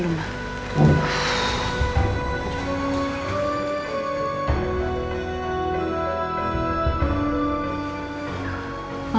sama sama ibu silahkan